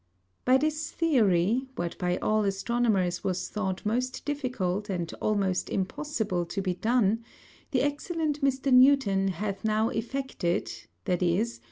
By this Theory, what by all Astronomers was thought most difficult and almost impossible to be done, the Excellent Mr. Newton hath now effected; _viz.